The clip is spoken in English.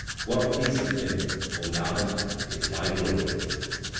What pleaseth Him, O Nanak, is my glory.